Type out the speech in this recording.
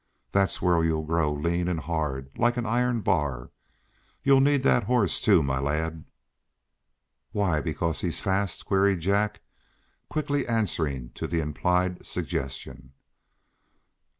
There's where you'll grow lean and hard, like an iron bar. You'll need that horse, too, my lad." "Why because he's fast?" queried Jack, quickly answering to the implied suggestion.